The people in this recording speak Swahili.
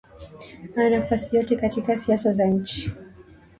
aa nafasi yote katika siasa za nchi